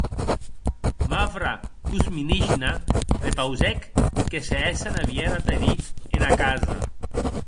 Mavra Kuzminishna prepausèc que se hessen a vier ath herit ena casa.